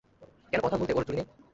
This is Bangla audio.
কোনো কথা ভুলতে ওর জুড়ি নেই।